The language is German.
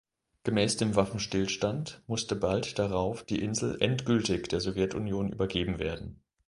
Gemäß dem Waffenstillstand musste bald darauf die Insel endgültig der Sowjetunion übergeben werden.